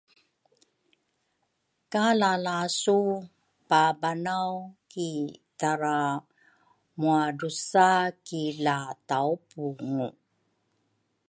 ka lalasu pabanaw ki taramuadrusa ki la-tawpungu.